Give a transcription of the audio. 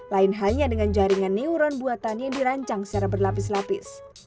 lain hanya dengan jaringan neuron buatan yang dirancang secara berlapis lapis